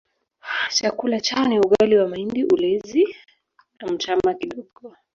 Chakula chao ni ugali wa mahindi ulezi na mtama kidogo